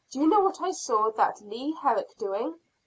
Do you know what I saw that Leah Herrick doing?"